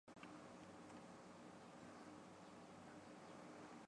杨延俊人。